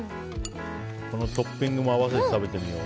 トッピングも合わせて食べてみよう。